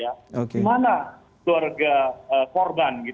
untuk melakukan pemberian maaf dari keluarga korban